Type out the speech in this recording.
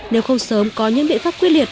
nếu không sớm có những biện pháp quyết liệt